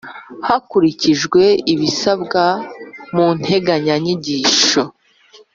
hakurikijwe ibisabwa mu nteganyanyigisho